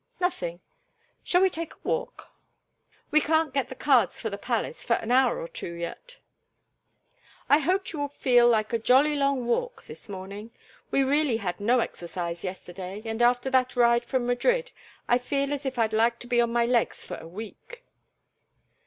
"Nothing. Shall we take a walk? We can't get the cards for the palace for an hour or two yet." "I hoped you would feel like a jolly long walk this morning. We really had no exercise yesterday, and after that ride from Madrid I feel as if I'd like to be on my legs for a week."